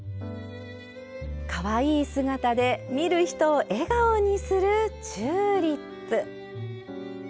かわいい姿で見る人を笑顔にするチューリップ。